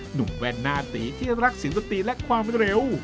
หนุ่มแว่นหน้าตีที่รักเสียงดนตรีและความเร็ว